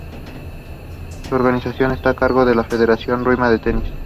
Su organización está a cargo de la Federación Rumana de Tenis.